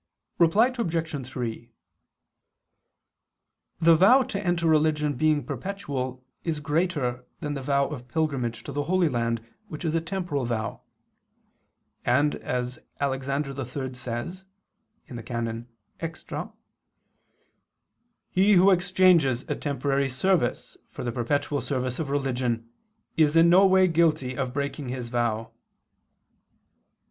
Reply Obj. 3: The vow to enter religion being perpetual is greater than the vow of pilgrimage to the Holy Land, which is a temporal vow; and as Alexander III says (Extra, De Voto et Voti Redemptione, cap. Scripturae), "he who exchanges a temporary service for the perpetual service of religion is in no way guilty of breaking his vow."